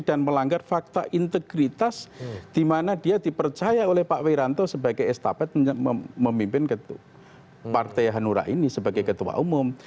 dan melanggar fakta integritas di mana dia dipercaya oleh pak wiranto sebagai estafet memimpin partai hanura ini sebagai ketua umum